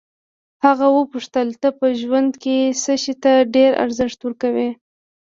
هغه وپوښتل ته په ژوند کې څه شي ته ډېر ارزښت ورکوې.